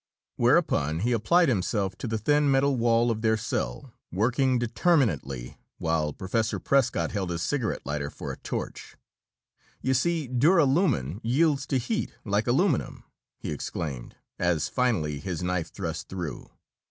Whereupon he applied himself to the thin metal wall of their cell, working determinedly, while Professor Prescott held his cigarette lighter for a torch. "You see, duralumin yields to heat, like aluminum," he exclaimed, as finally his knife thrust through.